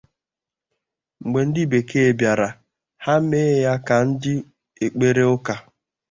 Mgbe ndị bekee bịara, ha mee ya nke ndi okpukpere ụka.